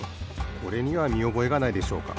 これにはみおぼえがないでしょうか。